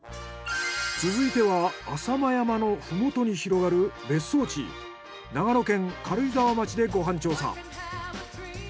続いては浅間山の麓に広がる別荘地長野県軽井沢町でご飯調査。